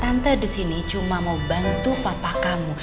tante disini cuma mau bantu papa kamu